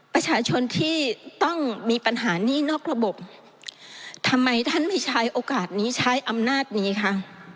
ประชาชนที่ต้องมีปัญหาหนี้นอกระบบทำไมท่านไม่ใช้โอกาสนี้ใช้อำนาจนี้คะ